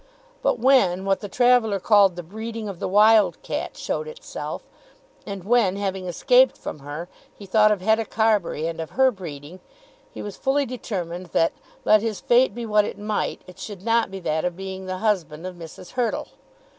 But when, what the traveller called the breeding of the wild cat, showed itself; and when, having escaped from her, he thought of Hetta Carbury and of her breeding, he was fully determined that, let his fate be what it might, it should not be that of being the husband of Mrs. Hurtle.